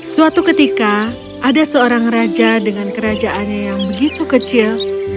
suatu ketika ada seorang raja dengan kerajaannya yang begitu kecil